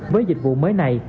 với dịch vụ mới này